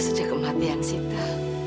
sejak kematian sita